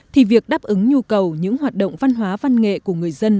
thì việc đáp ứng nhu cầu những hoạt động văn hóa văn nghệ của người dân